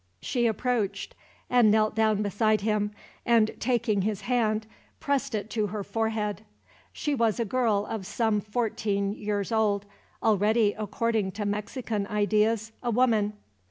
She approached and knelt down beside him and, taking his hand, pressed it to her forehead. She was a girl of some fourteen years old, already, according to Mexican ideas, a woman.